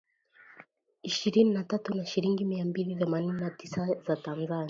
ishirini na tatu na shilingi mia mbili themanini na tisa za Tanzania